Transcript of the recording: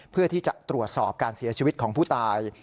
เพื่อที่จะตรวจสอบการเสียชีวิตของผู้ตาย